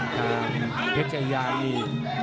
ตามเพชยายี